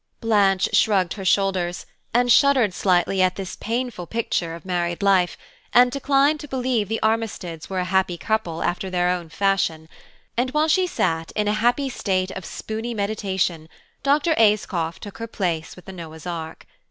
Blanche shrugged her shoulders, and shuddered slightly at this painful picture of married life, and declined to believe that the Armisteads were a happy couple after their own fashion; and while she sat in a happy state of spooney meditation, Dr. Ayscough took her place with the Noah's ark.